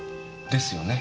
ですよね。